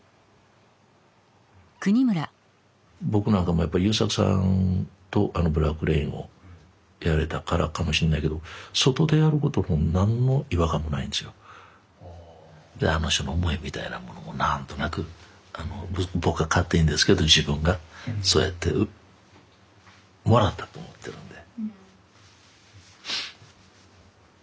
僕なんかもやっぱり優作さんとあの「ブラック・レイン」をやれたからかもしんないけどであの人の思いみたいなものも何となく僕が勝手にですけど自分がそうやってもらったと思ってるんで。